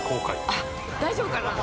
◆あっ、大丈夫かな？